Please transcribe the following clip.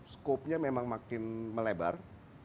skopnya memang makin melebar